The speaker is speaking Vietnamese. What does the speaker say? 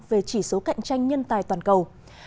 về chỉ số cạnh tranh nhân tài toàn cầu